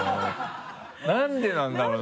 なんでなんだろうな？